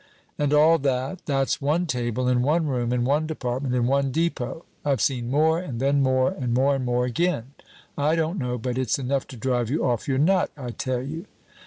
"And all that, that's one table in one room in one department in one depot. I've seen more, and then more, and more and more again. I don't know, but it's enough to drive you off your nut, I tell you."